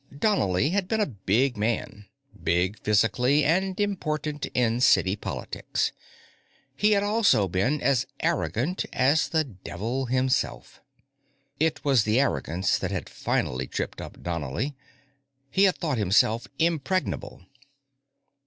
Donnely had been a big man big physically, and important in city politics. He had also been as arrogant as the Devil himself. It was the arrogance that had finally tripped up Donnely. He had thought himself impregnable.